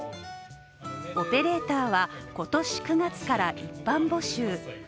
オペレーターは今年１月から一般募集。